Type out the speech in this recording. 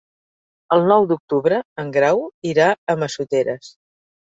El nou d'octubre en Grau irà a Massoteres.